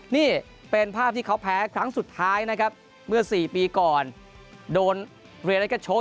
นี่เป็นภาพที่เขาแพ้ครั้งสุดท้ายนะครับเมื่อสี่ปีก่อนโดนเรียสก็โชค